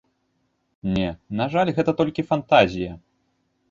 Не, на жаль, гэта толькі фантазія.